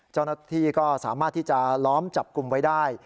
เจ้าหน้าที่ก็สามารถที่จะล้อมจับกลุ่มไว้ได้